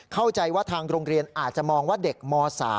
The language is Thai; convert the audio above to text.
เข้าใจว่าทางโรงเรียนอาจจะมองว่าเด็กม๓